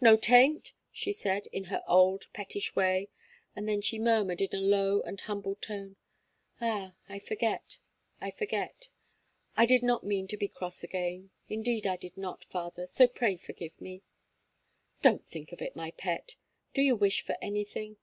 "No 'taint," she said, in her old pettish way, and then she murmured in a low and humbled tone: "Ah! I forget I forget. I did not mean to be cross again. Indeed I did not, father, so pray forgive me." "Don't think of it, my pet. Do you wish for anything?"